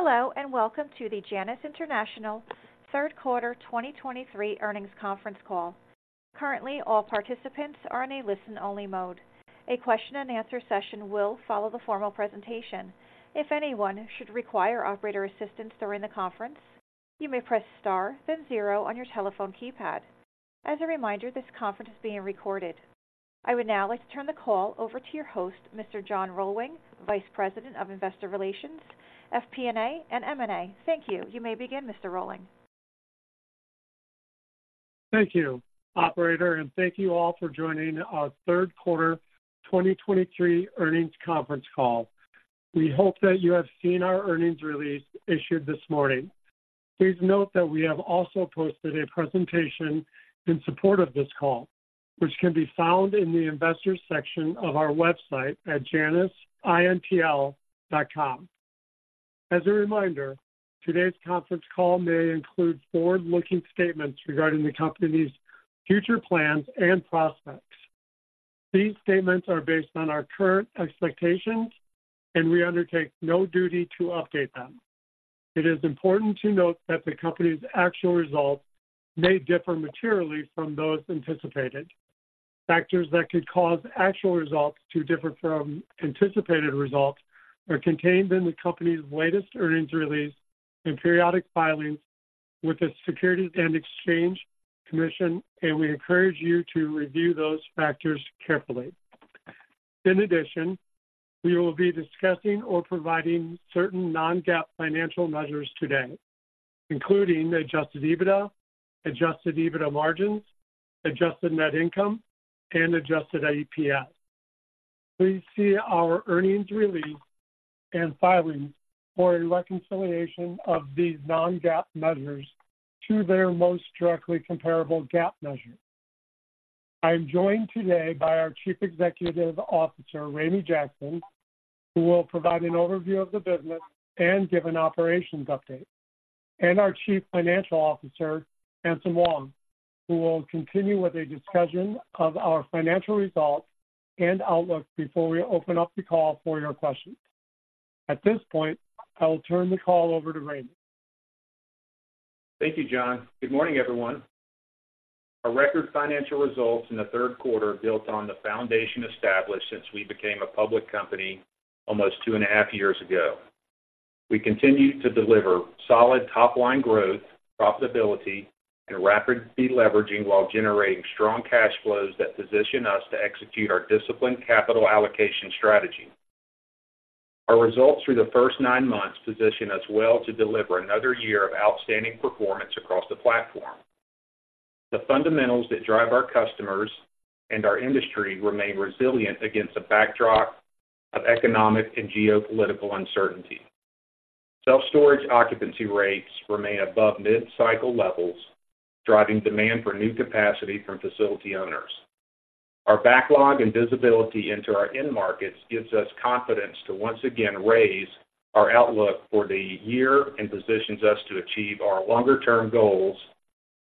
Hello, and welcome to the Janus International Third Quarter 2023 Earnings Conference Call. Currently, all participants are in a listen-only mode. A question and answer session will follow the formal presentation. If anyone should require operator assistance during the conference, you may press star, then zero on your telephone keypad. As a reminder, this conference is being recorded. I would now like to turn the call over to your host, Mr. John Rohlwing, Vice President of Investor Relations, FP&A, and M&A. Thank you. You may begin, Mr. Rohlwing. Thank you, operator, and thank you all for joining our third quarter 2023 earnings conference call. We hope that you have seen our earnings release issued this morning. Please note that we have also posted a presentation in support of this call, which can be found in the Investors section of our website at janusintl.com. As a reminder, today's conference call may include forward-looking statements regarding the company's future plans and prospects. These statements are based on our current expectations, and we undertake no duty to update them. It is important to note that the company's actual results may differ materially from those anticipated. Factors that could cause actual results to differ from anticipated results are contained in the company's latest earnings release and periodic filings with the Securities and Exchange Commission, and we encourage you to review those factors carefully. In addition, we will be discussing or providing certain non-GAAP financial measures today, including Adjusted EBITDA, Adjusted EBITDA margins, adjusted net income, and adjusted EPS. Please see our earnings release and filings for a reconciliation of these non-GAAP measures to their most directly comparable GAAP measures. I am joined today by our Chief Executive Officer, Ramey Jackson, who will provide an overview of the business and give an operations update, and our Chief Financial Officer, Anselm Wong, who will continue with a discussion of our financial results and outlook before we open up the call for your questions. At this point, I will turn the call over to Ramey. Thank you, John. Good morning, everyone. Our record financial results in the third quarter built on the foundation established since we became a public company almost two and a half years ago. We continued to deliver solid top-line growth, profitability, and rapid deleveraging while generating strong cash flows that position us to execute our disciplined capital allocation strategy. Our results through the first nine months position us well to deliver another year of outstanding performance across the platform. The fundamentals that drive our customers and our industry remain resilient against a backdrop of economic and geopolitical uncertainty. Self-storage occupancy rates remain above mid-cycle levels, driving demand for new capacity from facility owners. Our backlog and visibility into our end markets gives us confidence to once again raise our outlook for the year and positions us to achieve our longer-term goals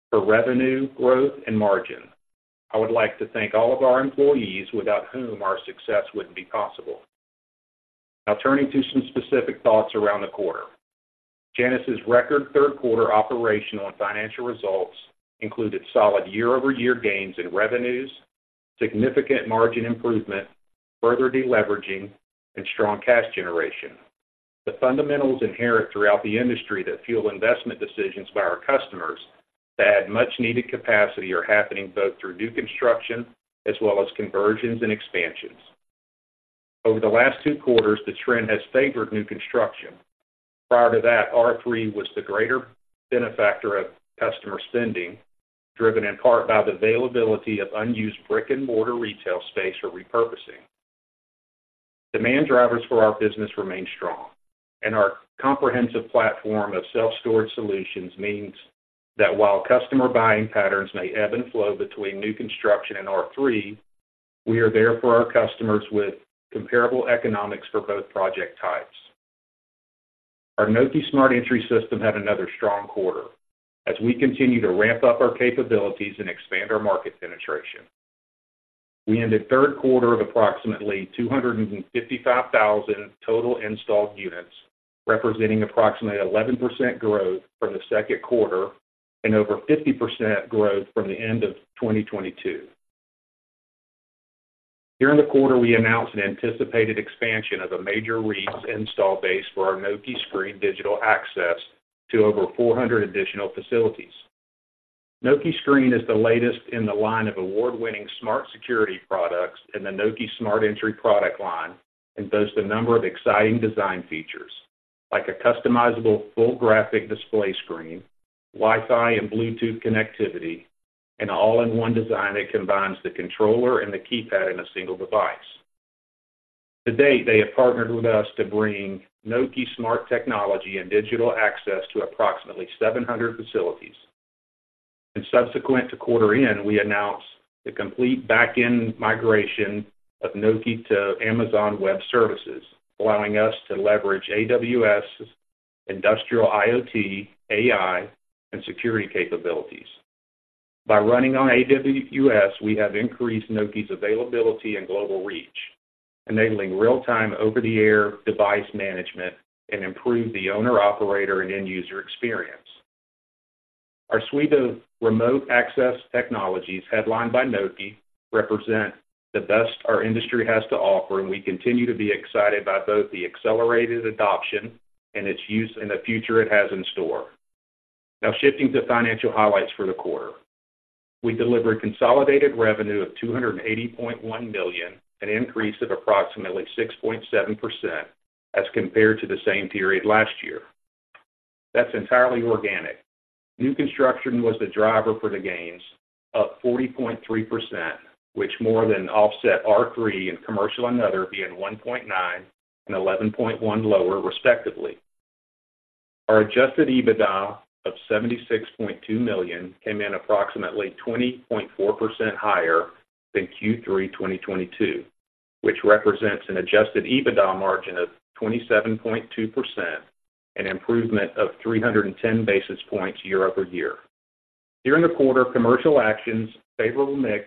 for revenue, growth, and margin. I would like to thank all of our employees, without whom our success wouldn't be possible. Now, turning to some specific thoughts around the quarter. Janus's record third quarter operational and financial results included solid year-over-year gains in revenues, significant margin improvement, further deleveraging, and strong cash generation. The fundamentals inherent throughout the industry that fuel investment decisions by our customers to add much-needed capacity are happening both through new construction as well as conversions and expansions. Over the last two quarters, the trend has favored new construction. Prior to that, R3 was the greater benefactor of customer spending, driven in part by the availability of unused brick-and-mortar retail space for repurposing. Demand drivers for our business remain strong, and our comprehensive platform of self-storage solutions means that while customer buying patterns may ebb and flow between new construction and R3, we are there for our customers with comparable economics for both project types. Our Nokē Smart Entry system had another strong quarter as we continue to ramp up our capabilities and expand our market penetration. We ended the third quarter of approximately 255,000 total installed units, representing approximately 11% growth from the second quarter and over 50% growth from the end of 2022. During the quarter, we announced an anticipated expansion of a major REIT's install base for our Nokē Screen digital access to over 400 additional facilities. Nokē Screen is the latest in the line of award-winning smart security products in the Nokē Smart Entry product line and boasts a number of exciting design features, like a customizable full graphic display screen, Wi-Fi and Bluetooth connectivity, and all-in-one design that combines the controller and the keypad in a single device. To date, they have partnered with us to bring Nokē smart technology and digital access to approximately 700 facilities. Subsequent to quarter end, we announced the complete back-end migration of Nokē to Amazon Web Services, allowing us to leverage AWS, Industrial IoT, AI, and security capabilities. By running on AWS, we have increased Nokē's availability and global reach, enabling real-time over-the-air device management and improve the owner, operator, and end user experience. Our suite of remote access technologies, headlined by Nokē, represent the best our industry has to offer, and we continue to be excited by both the accelerated adoption and its use and the future it has in store. Now, shifting to financial highlights for the quarter. We delivered consolidated revenue of $280.1 million, an increase of approximately 6.7% as compared to the same period last year. That's entirely organic. New construction was the driver for the gains, up 40.3%, which more than offset R3 and commercial and other, being 1.9% and 11.1% lower, respectively. Our Adjusted EBITDA of $76.2 million came in approximately 20.4% higher than Q3 2022, which represents an Adjusted EBITDA margin of 27.2%, an improvement of 310 basis points year-over-year. During the quarter, commercial actions, favorable mix,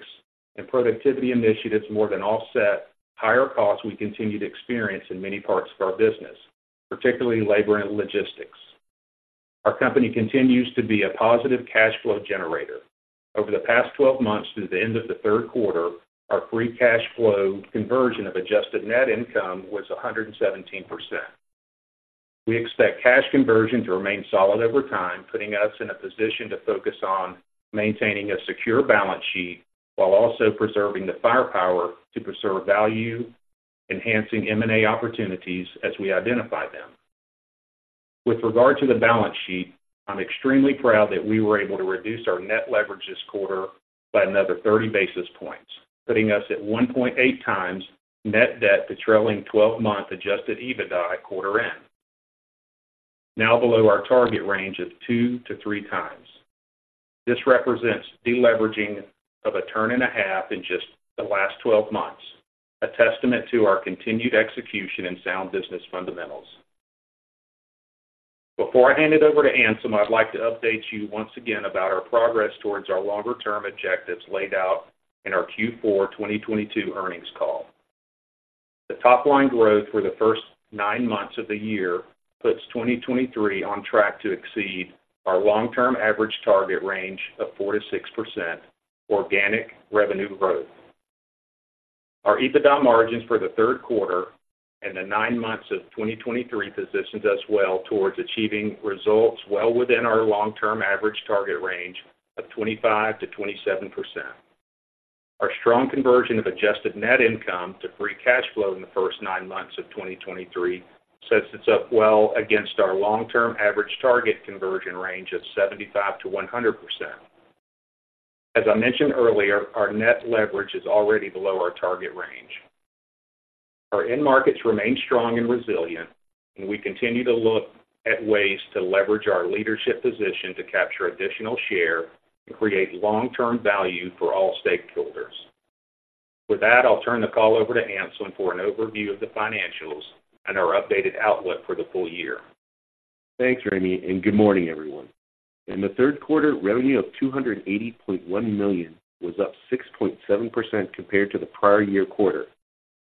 and productivity initiatives more than offset higher costs we continue to experience in many parts of our business, particularly labor and logistics. Our company continues to be a positive cash flow generator. Over the past 12 months through the end of the third quarter, our free cash flow conversion of Adjusted Net Income was 117%. We expect cash conversion to remain solid over time, putting us in a position to focus on maintaining a secure balance sheet while also preserving the firepower to preserve value, enhancing M&A opportunities as we identify them. With regard to the balance sheet, I'm extremely proud that we were able to reduce our net leverage this quarter by another 30 basis points, putting us at 1.8x net debt to trailing 12-month Adjusted EBITDA at quarter end, now below our target range of 2x-3x. This represents deleveraging of a turn and a half in just the last 12 months, a testament to our continued execution and sound business fundamentals. Before I hand it over to Anselm, I'd like to update you once again about our progress towards our longer-term objectives laid out in our Q4 2022 earnings call. The top-line growth for the first 9 months of the year puts 2023 on track to exceed our long-term average target range of 4%-6% organic revenue growth. Our EBITDA margins for the third quarter and the 9 months of 2023 position us well towards achieving results well within our long-term average target range of 25%-27%. Our strong conversion of adjusted net income to free cash flow in the first 9 months of 2023 sets us up well against our long-term average target conversion range of 75%-100%. As I mentioned earlier, our net leverage is already below our target range. Our end markets remain strong and resilient, and we continue to look at ways to leverage our leadership position to capture additional share and create long-term value for all stakeholders. With that, I'll turn the call over to Anselm for an overview of the financials and our updated outlook for the full year. Thanks, Ramey, and good morning, everyone. In the third quarter, revenue of $280.1 million was up 6.7% compared to the prior year quarter.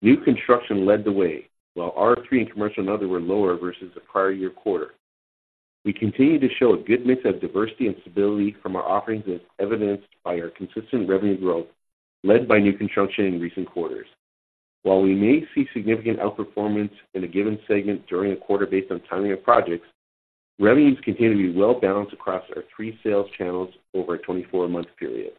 New construction led the way, while R3 and commercial and other were lower versus the prior year quarter. We continue to show a good mix of diversity and stability from our offerings, as evidenced by our consistent revenue growth, led by new construction in recent quarters. While we may see significant outperformance in a given segment during a quarter based on timing of projects, revenues continue to be well balanced across our three sales channels over a 24-month period.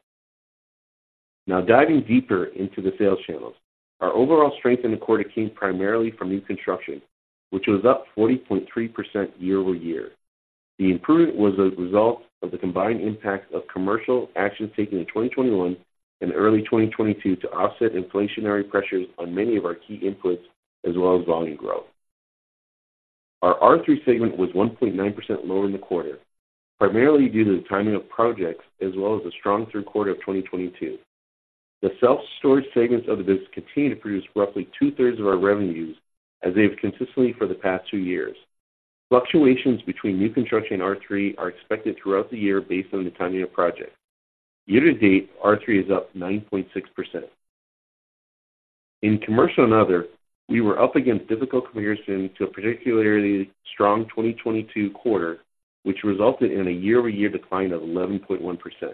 Now, diving deeper into the sales channels. Our overall strength in the quarter came primarily from new construction, which was up 40.3% year-over-year. The improvement was a result of the combined impact of commercial actions taken in 2021 and early 2022 to offset inflationary pressures on many of our key inputs, as well as volume growth. Our R3 segment was 1.9% lower in the quarter, primarily due to the timing of projects, as well as a strong third quarter of 2022. The self-storage segments of the business continue to produce roughly 2/3 of our revenues, as they have consistently for the past two years. Fluctuations between new construction and R3 are expected throughout the year based on the timing of projects. Year to date, R3 is up 9.6%. In commercial and other, we were up against difficult comparison to a particularly strong 2022 quarter, which resulted in a year-over-year decline of 11.1%.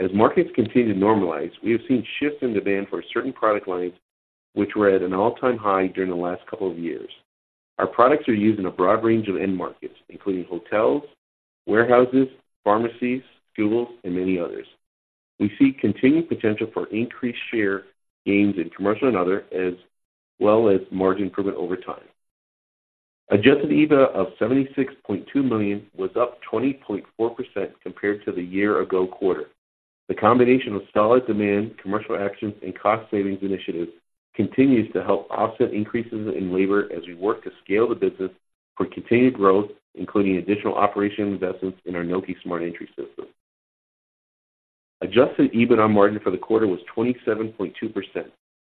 As markets continue to normalize, we have seen shifts in demand for certain product lines, which were at an all-time high during the last couple of years. Our products are used in a broad range of end markets, including hotels, warehouses, pharmacies, schools, and many others. We see continued potential for increased share gains in commercial and other, as well as margin improvement over time. Adjusted EBITDA of $76.2 million was up 20.4% compared to the year-ago quarter. The combination of solid demand, commercial actions, and cost savings initiatives continues to help offset increases in labor as we work to scale the business for continued growth, including additional operational investments in our Nokē Smart Entry system. Adjusted EBITDA margin for the quarter was 27.2%,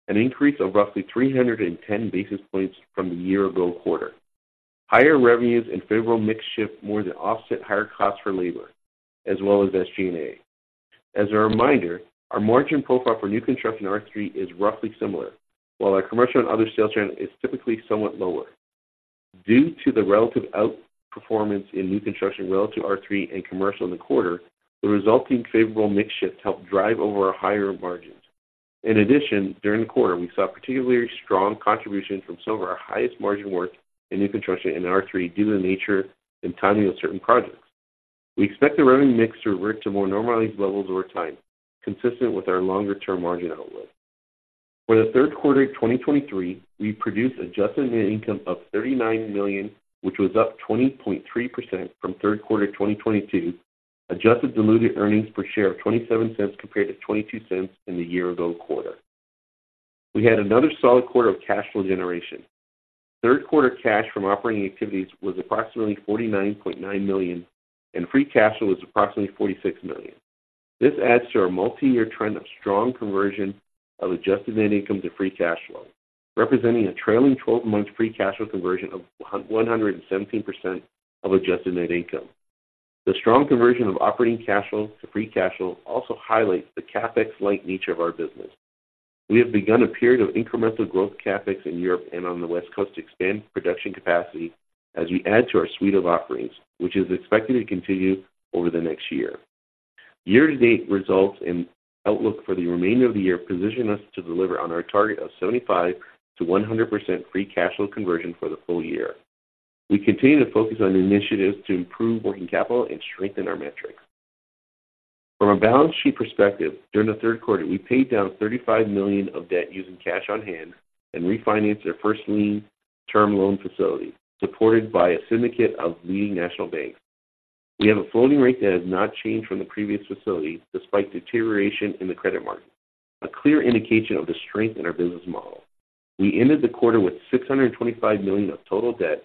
an increase of roughly 310 basis points from the year-ago quarter.... Higher revenues and favorable mix shift more than offset higher costs for labor, as well as SG&A. As a reminder, our margin profile for new construction R3 is roughly similar, while our commercial and other sales channel is typically somewhat lower. Due to the relative outperformance in new construction relative to R3 and commercial in the quarter, the resulting favorable mix shifts helped drive over our higher margins. In addition, during the quarter, we saw particularly strong contribution from some of our highest margin work in new construction and R3, due to the nature and timing of certain projects. We expect the revenue mix to revert to more normalized levels over time, consistent with our longer-term margin outlook. For the third quarter of 2023, we produced adjusted net income of $39 million, which was up 20.3% from third quarter 2022. Adjusted diluted earnings per share of $0.27 compared to $0.22 in the year-ago quarter. We had another solid quarter of cash flow generation. Third quarter cash from operating activities was approximately $49.9 million, and free cash flow was approximately $46 million. This adds to our multi-year trend of strong conversion of adjusted net income to free cash flow, representing a trailing twelve-month free cash flow conversion of 117% of adjusted net income. The strong conversion of operating cash flow to free cash flow also highlights the CapEx-like nature of our business. We have begun a period of incremental growth CapEx in Europe and on the West Coast to expand production capacity as we add to our suite of offerings, which is expected to continue over the next year. Year-to-date results and outlook for the remainder of the year position us to deliver on our target of 75%-100% free cash flow conversion for the full year. We continue to focus on initiatives to improve working capital and strengthen our metrics. From a balance sheet perspective, during the third quarter, we paid down $35 million of debt using cash on hand and refinanced our first lien term loan facility, supported by a syndicate of leading national banks. We have a floating rate that has not changed from the previous facility, despite deterioration in the credit market, a clear indication of the strength in our business model. We ended the quarter with $625 million of total debt,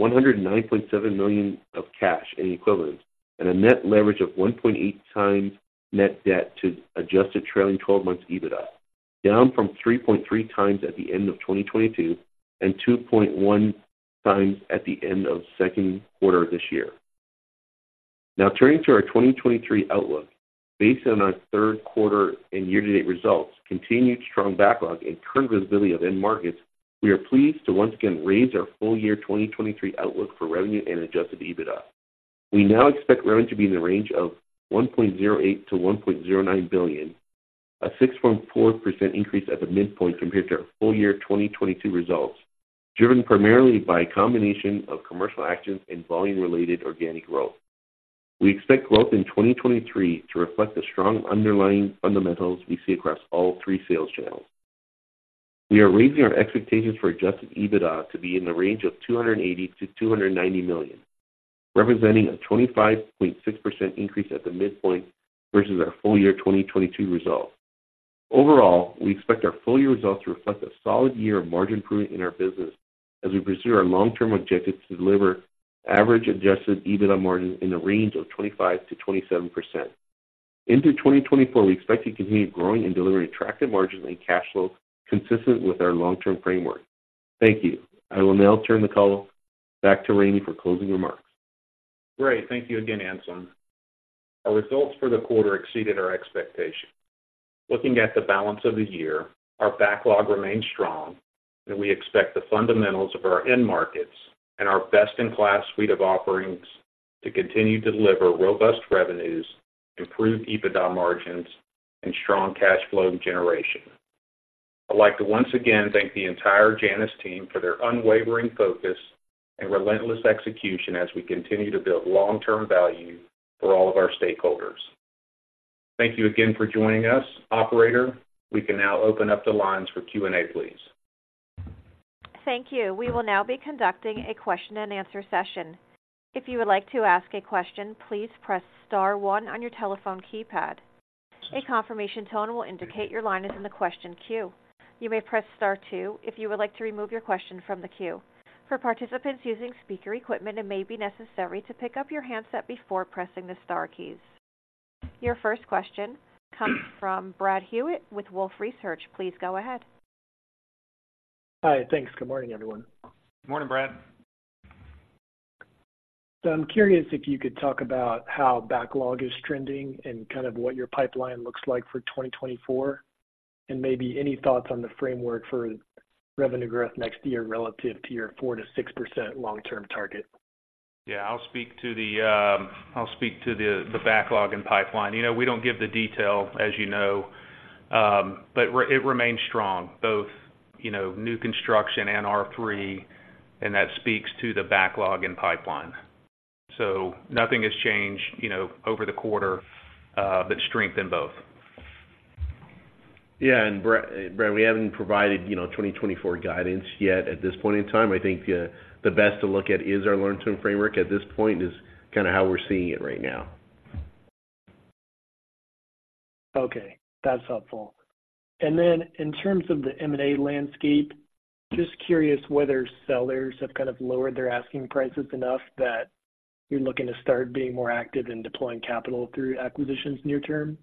$109.7 million of cash and equivalents, and a net leverage of 1.8x net debt to adjusted trailing twelve months EBITDA, down from 3.3x at the end of 2022, and 2.1x at the end of second quarter of this year. Now turning to our 2023 outlook. Based on our third quarter and year-to-date results, continued strong backlog, and current visibility of end markets, we are pleased to once again raise our full year 2023 outlook for revenue and adjusted EBITDA. We now expect revenue to be in the range of $1.08 billion-$1.09 billion, a 6.4% increase at the midpoint compared to our full year 2022 results, driven primarily by a combination of commercial actions and volume-related organic growth. We expect growth in 2023 to reflect the strong underlying fundamentals we see across all three sales channels. We are raising our expectations for Adjusted EBITDA to be in the range of $280 million-$290 million, representing a 25.6% increase at the midpoint versus our full year 2022 results. Overall, we expect our full year results to reflect a solid year of margin improvement in our business as we pursue our long-term objectives to deliver average Adjusted EBITDA margins in the range of 25%-27%. Into 2024, we expect to continue growing and delivering attractive margins and cash flows consistent with our long-term framework. Thank you. I will now turn the call back to Randy for closing remarks. Great. Thank you again, Anselm. Our results for the quarter exceeded our expectations. Looking at the balance of the year, our backlog remains strong, and we expect the fundamentals of our end markets and our best-in-class suite of offerings to continue to deliver robust revenues, improved EBITDA margins, and strong cash flow generation. I'd like to once again thank the entire Janus team for their unwavering focus and relentless execution as we continue to build long-term value for all of our stakeholders. Thank you again for joining us. Operator, we can now open up the lines for Q&A, please. Thank you. We will now be conducting a question-and-answer session. If you would like to ask a question, please press star one on your telephone keypad. A confirmation tone will indicate your line is in the question queue. You may press star two if you would like to remove your question from the queue. For participants using speaker equipment, it may be necessary to pick up your handset before pressing the star keys. Your first question comes from Brad Hewitt with Wolfe Research. Please go ahead. Hi. Thanks. Good morning, everyone. Morning, Brad. I'm curious if you could talk about how backlog is trending and kind of what your pipeline looks like for 2024, and maybe any thoughts on the framework for revenue growth next year relative to your 4%-6% long-term target. Yeah, I'll speak to the backlog and pipeline. You know, we don't give the detail, as you know, but it remains strong, both, you know, new construction and R3, and that speaks to the backlog and pipeline. So nothing has changed, you know, over the quarter, but strength in both. Yeah, and Brad, we haven't provided, you know, 2024 guidance yet at this point in time. I think, the best to look at is our long-term framework. At this point is kind of how we're seeing it right now. Okay, that's helpful. And then in terms of the M&A landscape, just curious whether sellers have kind of lowered their asking prices enough that you're looking to start being more active in deploying capital through acquisitions near term?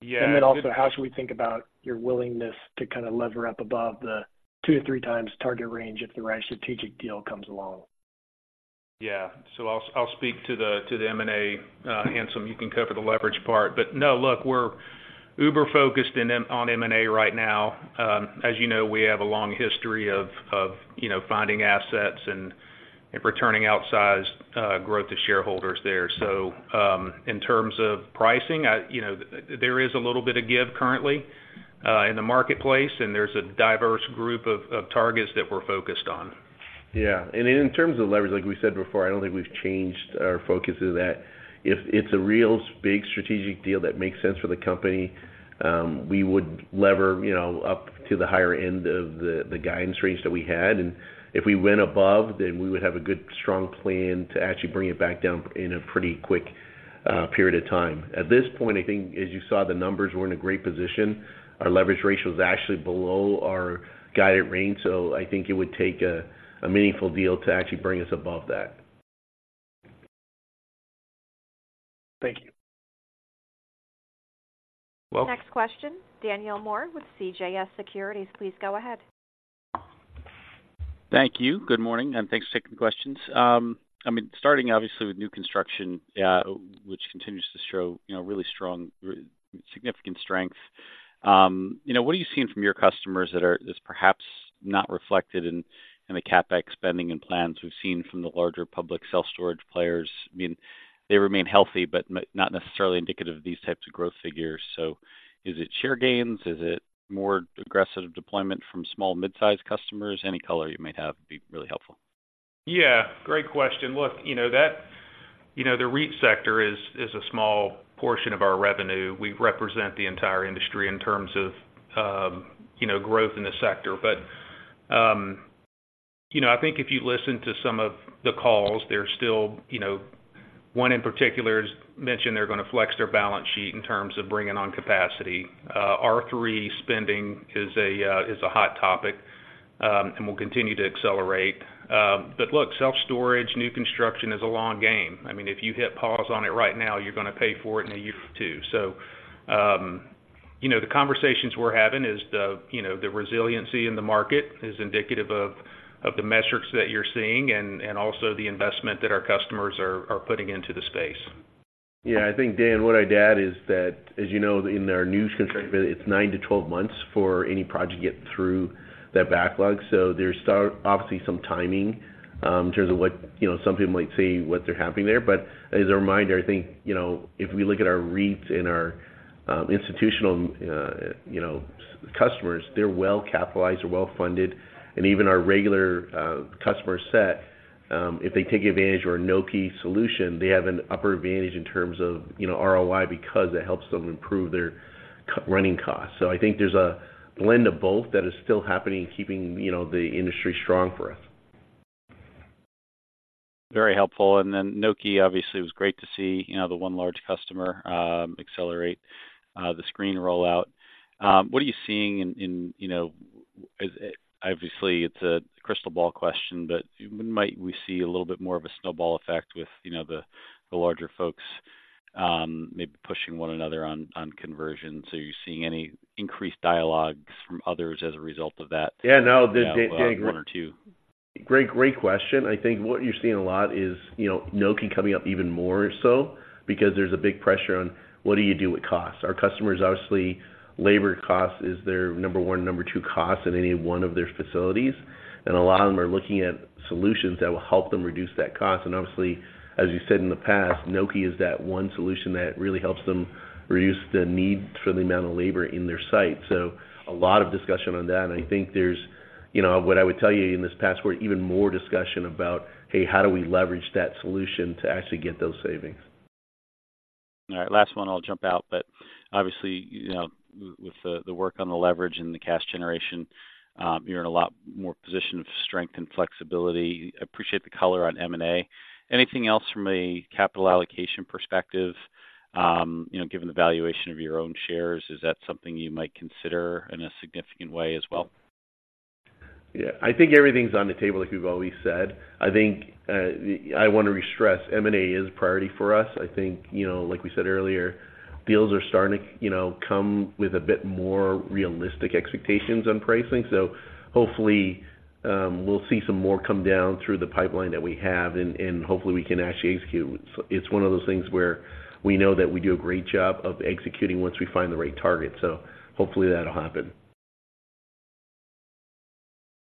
And then also, how should we think about your willingness to kind of lever up above the 2-3x target range if the right strategic deal comes along? Yeah. So I'll speak to the M&A. Anselm, you can cover the leverage part. But no, look, we're uber focused on M&A right now. As you know, we have a long history of you know, finding assets and returning outsized growth to shareholders there. So, in terms of pricing, you know, there is a little bit of give currently in the marketplace, and there's a diverse group of targets that we're focused on. Yeah. In terms of leverage, like we said before, I don't think we've changed our focus of that. If it's a real big strategic deal that makes sense for the company, we would lever, you know, up to the higher end of the guidance range that we had. And if we went above, then we would have a good, strong plan to actually bring it back down in a pretty quick period of time. At this point, I think as you saw the numbers, we're in a great position. Our leverage ratio is actually below our guided range, so I think it would take a meaningful deal to actually bring us above that. Thank you. Welcome. Next question, Daniel Moore with CJS Securities. Please go ahead. Thank you. Good morning, and thanks for taking the questions. I mean, starting obviously with new construction, which continues to show, you know, really strong, significant strength. You know, what are you seeing from your customers that are-- that's perhaps not reflected in the CapEx spending and plans we've seen from the larger public self-storage players? I mean, they remain healthy, but not necessarily indicative of these types of growth figures. So is it share gains? Is it more aggressive deployment from small mid-sized customers? Any color you may have would be really helpful. Yeah, great question. Look, you know that, you know, the REIT sector is a small portion of our revenue. We represent the entire industry in terms of, you know, growth in the sector. But, you know, I think if you listen to some of the calls, there's still, you know... One in particular is mentioned, they're gonna flex their balance sheet in terms of bringing on capacity. R3 spending is a hot topic, and will continue to accelerate. But look, self-storage, new construction is a long game. I mean, if you hit pause on it right now, you're gonna pay for it in a year or two. So, you know, the conversations we're having is the, you know, the resiliency in the market is indicative of the metrics that you're seeing and also the investment that our customers are putting into the space. Yeah, I think, Dan, what I'd add is that, as you know, in our new construction, it's 9-12 months for any project to get through that backlog. So there's obviously some timing in terms of what, you know, some people might say, what they're happening there. But as a reminder, I think, you know, if we look at our REITs and our institutional, you know, customers, they're well capitalized or well funded. And even our regular customer set, if they take advantage of our Nokē solution, they have an upper advantage in terms of, you know, ROI, because it helps them improve their running costs. So I think there's a blend of both that is still happening, keeping, you know, the industry strong for us. Very helpful. And then Nokē, obviously, it was great to see, you know, the one large customer accelerate the Screen rollout. What are you seeing in, in, you know, obviously, it's a crystal ball question, but might we see a little bit more of a snowball effect with, you know, the, the larger folks maybe pushing one another on, on conversion? So are you seeing any increased dialogues from others as a result of that? Yeah, no, 1 or 2. Great, great question. I think what you're seeing a lot is, you know, Nokē coming up even more so because there's a big pressure on what do you do with costs? Our customers, obviously, labor cost is their number one, number two cost in any one of their facilities, and a lot of them are looking at solutions that will help them reduce that cost. Obviously, as you said in the past, Nokē is that one solution that really helps them reduce the need for the amount of labor in their site. So a lot of discussion on that, and I think there's, you know, what I would tell you in this past, were even more discussion about, hey, how do we leverage that solution to actually get those savings? All right, last one, I'll jump out. But obviously, you know, with the work on the leverage and the cash generation, you're in a lot more position of strength and flexibility. Appreciate the color on M&A. Anything else from a capital allocation perspective, you know, given the valuation of your own shares, is that something you might consider in a significant way as well? Yeah, I think everything's on the table, like we've always said. I think, I want to restress, M&A is priority for us. I think, you know, like we said earlier, deals are starting to, you know, come with a bit more realistic expectations on pricing. So hopefully, we'll see some more come down through the pipeline that we have, and, and hopefully, we can actually execute. It's one of those things where we know that we do a great job of executing once we find the right target, so hopefully, that'll happen.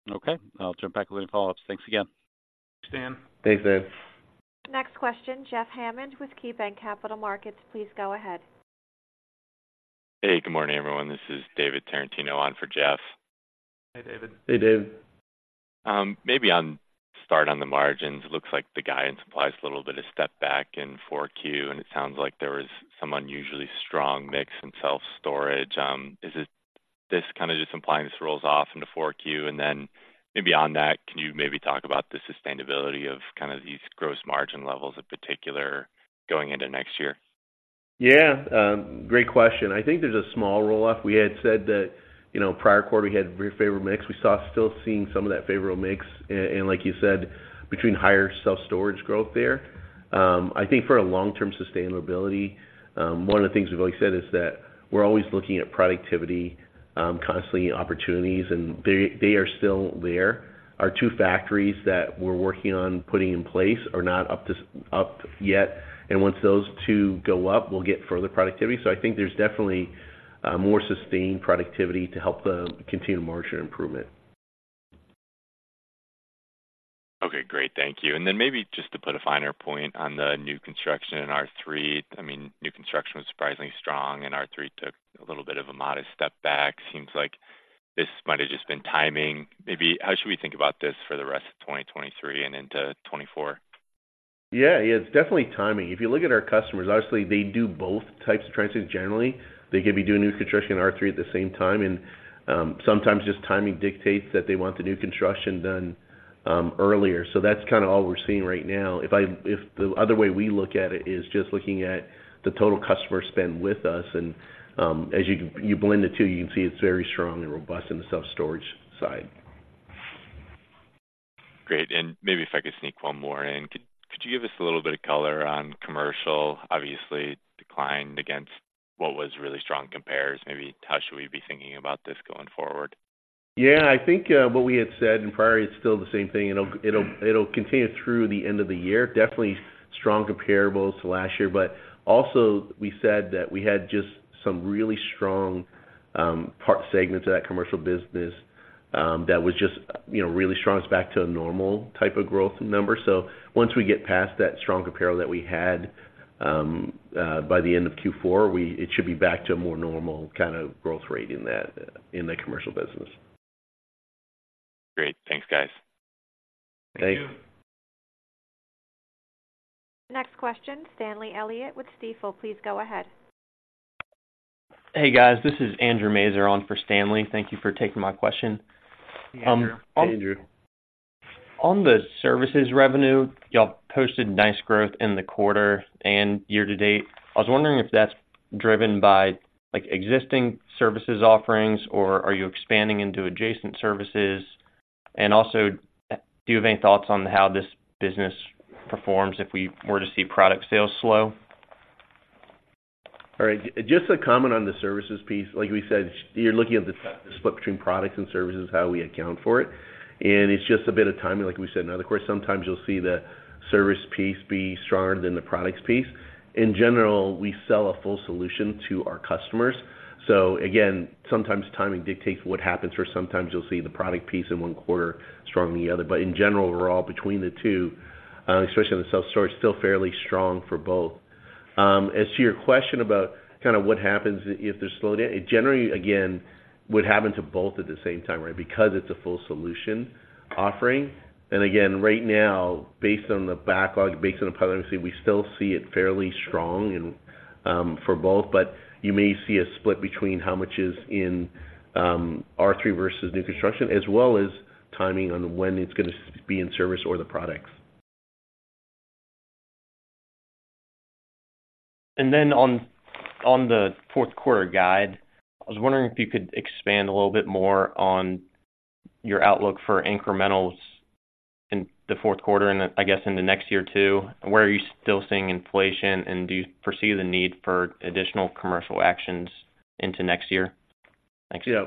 Okay. I'll jump back with any follow-ups. Thanks again. Thanks, Dan. Thanks, Dan. Next question, Jeff Hammond with KeyBanc Capital Markets. Please go ahead. Hey, good morning, everyone. This is David Tarantino on for Jeff. Hi, David. Hey, David. Maybe on the margins. It looks like the guidance applies a little bit of step back in Q4, and it sounds like there was some unusually strong mix in self-storage. Is it this kind of just implying this rolls off into Q4? And then maybe on that, can you maybe talk about the sustainability of kind of these gross margin levels in particular, going into next year? Yeah, great question. I think there's a small roll-off. We had said that, you know, prior quarter, we had very favorable mix. We are still seeing some of that favorable mix, and like you said, between higher self-storage growth there. I think for a long-term sustainability, one of the things we've always said is that we're always looking at productivity constantly opportunities, and they are still there. Our two factories that we're working on putting in place are not up yet, and once those two go up, we'll get further productivity. So I think there's definitely more sustained productivity to help the continued margin improvement. Okay, great. Thank you. Then maybe just to put a finer point on the new construction in R3, I mean, new construction was surprisingly strong, and R3 took a little bit of a modest step back. Seems like this might have just been timing. Maybe how should we think about this for the rest of 2023 and into 2024? Yeah, yeah, it's definitely timing. If you look at our customers, obviously, they do both types of transactions. Generally, they could be doing new construction and R3 at the same time, and sometimes just timing dictates that they want the new construction done earlier. So that's kind of all we're seeing right now. If the other way we look at it is just looking at the total customer spend with us, and as you blend the two, you can see it's very strong and robust in the self-storage side. Great. And maybe if I could sneak one more in. Could you give us a little bit of color on commercial? Obviously, declined against what was really strong compares. Maybe how should we be thinking about this going forward? Yeah, I think what we had said, and prior, it's still the same thing. It'll continue through the end of the year. Definitely strong comparables to last year, but also we said that we had just some really strong part segments of that commercial business that was just, you know, really strong. It's back to a normal type of growth number. So once we get past that strong compare that we had by the end of Q4, it should be back to a more normal kind of growth rate in the commercial business. Great. Thanks, guys. Thanks. Thank you. Next question, Stanley Elliott with Stifel. Please go ahead. Hey, guys, this is Andrew Maser on for Stanley. Thank you for taking my question. Hey, Andrew. Hey, Andrew. On the services revenue, y'all posted nice growth in the quarter and year to date. I was wondering if that's driven by, like, existing services offerings, or are you expanding into adjacent services? And also, do you have any thoughts on how this business performs if we were to see product sales slow? All right. Just a comment on the services piece. Like we said, you're looking at the split between products and services, how we account for it, and it's just a bit of timing. Like we said, in the course, sometimes you'll see the service piece be stronger than the products piece. In general, we sell a full solution to our customers, so again, sometimes timing dictates what happens, or sometimes you'll see the product piece in one quarter stronger than the other. But in general, we're all between the two, especially on the self-storage, still fairly strong for both. As to your question about kind of what happens if there's slowdown, it generally, again, would happen to both at the same time, right? Because it's a full solution offering. And again, right now, based on the backlog, based on the policy, we still see it fairly strong and, for both, but you may see a split between how much is in, R3 versus new construction, as well as timing on when it's gonna be in service or the products. And then on the fourth quarter guide, I was wondering if you could expand a little bit more on your outlook for incrementals in the fourth quarter and I guess in the next year, too. Where are you still seeing inflation, and do you foresee the need for additional commercial actions into next year? Thanks. Yeah,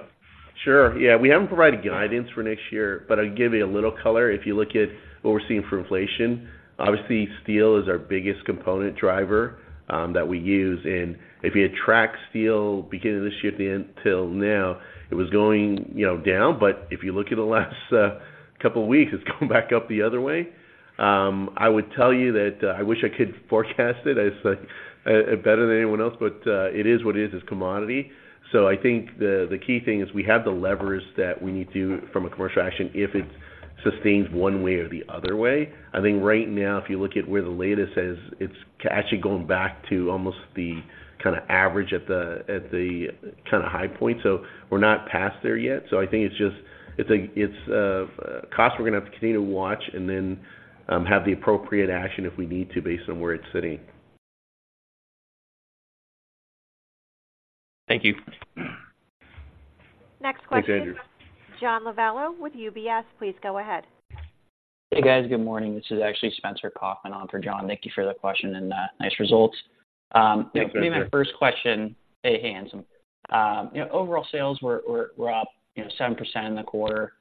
sure. Yeah, we haven't provided guidance for next year, but I'll give you a little color. If you look at what we're seeing for inflation, obviously, steel is our biggest component driver, that we use, and if you track steel beginning of this year to until now, it was going, you know, down, but if you look at the last, couple of weeks, it's going back up the other way. I would tell you that, I wish I could forecast it as, like, better than anyone else, but, it is what it is, it's commodity. So I think the, the key thing is we have the levers that we need to from a commercial action if it sustains one way or the other way. I think right now, if you look at where the latest is, it's actually going back to almost the kind of average at the kind of high point, so we're not past there yet. So I think it's just... It's a cost we're gonna have to continue to watch and then have the appropriate action if we need to, based on where it's sitting. Thank you. Thanks, Andrew. Next question, John Lovallo with UBS. Please go ahead. Hey, guys, good morning. This is actually Spencer Kaufman on for John. Thank you for the question, and nice results. Yeah, thank you. Maybe my first question... Hey, Anselm. You know, overall sales were up, you know, 7% in the quarter.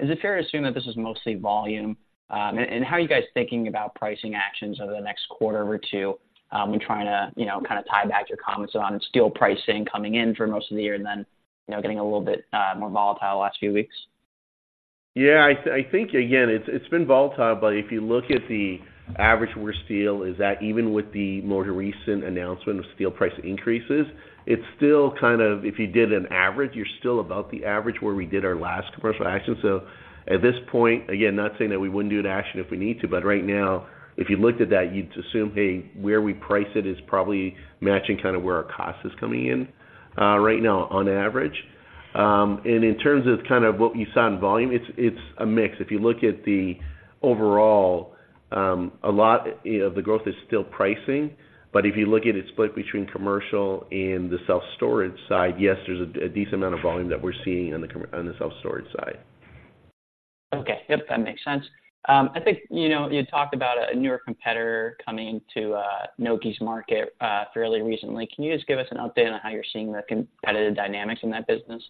Is it fair to assume that this is mostly volume? And how are you guys thinking about pricing actions over the next quarter or two, when trying to, you know, kind of tie back to your comments on steel pricing coming in for most of the year and then, you know, getting a little bit more volatile the last few weeks? Yeah, I think, again, it's been volatile, but if you look at the average, where steel is at, even with the more recent announcement of steel price increases, it's still kind of... If you did an average, you're still about the average where we did our last commercial action. So at this point, again, not saying that we wouldn't do an action if we need to, but right now, if you looked at that, you'd assume, hey, where we price it is probably matching kind of where our cost is coming in, right now on average. And in terms of kind of what you saw in volume, it's a mix. If you look at the overall, a lot, you know, of the growth is still pricing, but if you look at it split between commercial and the self-storage side, yes, there's a decent amount of volume that we're seeing on the self-storage side.... Okay. Yep, that makes sense. I think, you know, you talked about a newer competitor coming to Nokē's market fairly recently. Can you just give us an update on how you're seeing the competitive dynamics in that business?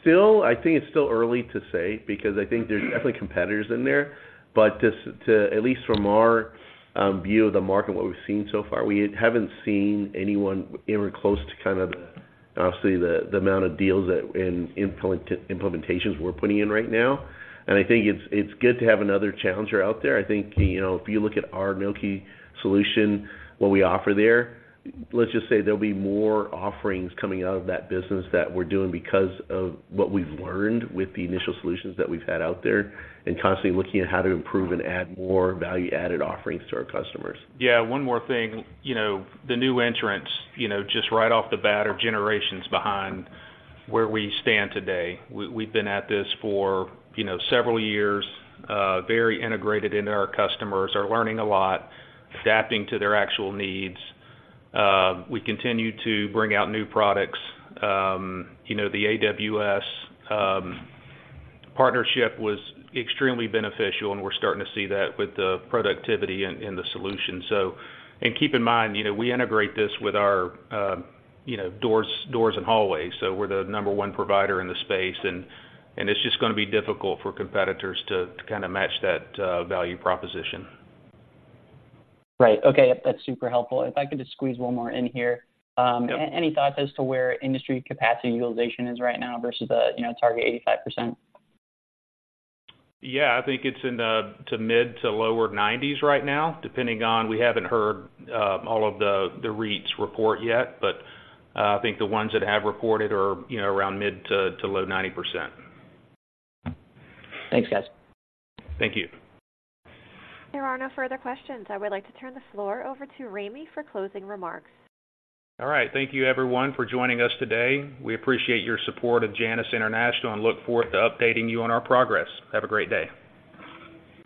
Still, I think it's still early to say, because I think there's definitely competitors in there. But just to, at least from our view of the market, what we've seen so far, we haven't seen anyone even close to kind of the, obviously, the amount of deals that implementations we're putting in right now. And I think it's good to have another challenger out there. I think, you know, if you look at our Nokē solution, what we offer there, let's just say there'll be more offerings coming out of that business that we're doing because of what we've learned with the initial solutions that we've had out there, and constantly looking at how to improve and add more value-added offerings to our customers. Yeah, one more thing. You know, the new entrants, you know, just right off the bat, are generations behind where we stand today. We've been at this for, you know, several years, very integrated into our customers, are learning a lot, adapting to their actual needs. We continue to bring out new products. You know, the AWS partnership was extremely beneficial, and we're starting to see that with the productivity and the solution. So... And keep in mind, you know, we integrate this with our, you know, doors, doors and hallways, so we're the number one provider in the space, and it's just gonna be difficult for competitors to kinda match that value proposition. Right. Okay, yep, that's super helpful. If I could just squeeze one more in here. Yep. Any thoughts as to where industry capacity utilization is right now versus the, you know, target 85%? Yeah. I think it's in the mid- to low 90s% right now, depending on—we haven't heard all of the REITs report yet, but I think the ones that have reported are, you know, around mid- to low 90%. Thanks, guys. Thank you. There are no further questions. I would like to turn the floor over to Ramey for closing remarks. All right. Thank you, everyone, for joining us today. We appreciate your support of Janus International and look forward to updating you on our progress. Have a great day.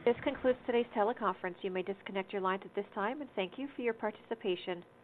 This concludes today's teleconference. You may disconnect your lines at this time, and thank you for your participation.